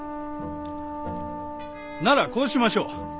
ならこうしましょう。